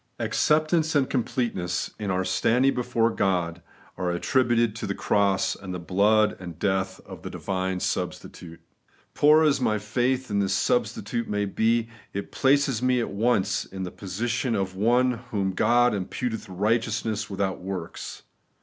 Acceptance, and completeness in our standing before God, are attributed to the cross and blood and death of the Divine Substitute. Poor as my faith in this Substitute may be, it places me at once in the position of one to whom * God imputeth righteousness without works.'